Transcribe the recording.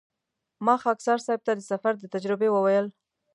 ما خاکسار صیب ته د سفر د تجربې وویل.